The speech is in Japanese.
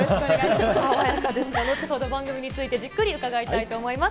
番組についてじっくり伺いたいと思います。